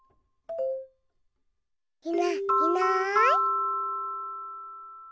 いないいない。